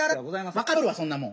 分かっとるわそんなもん。